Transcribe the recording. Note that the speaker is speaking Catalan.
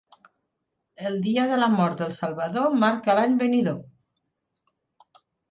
El dia de la mort del Salvador marca l'any venidor.